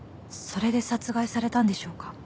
それで殺害されたんでしょうか？